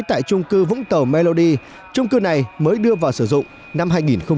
tại trung cư vũng tàu mellody trung cư này mới đưa vào sử dụng năm hai nghìn một mươi